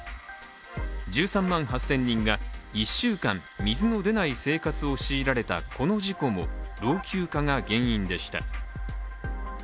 １３万８０００人が１週間水の出ない生活を強いられたこの事故も、老朽化が原因でした。